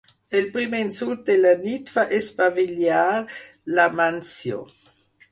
El primer insult de la nit fa espavilar l'Amáncio.